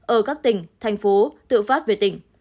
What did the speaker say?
ở các tỉnh thành phố tự phát về tỉnh